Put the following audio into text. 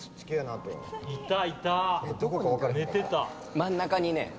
真ん中にね